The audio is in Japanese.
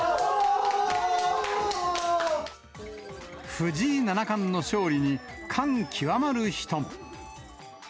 藤井七冠の勝利に、感極まる人も。